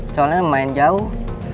soalnya lumayan jauh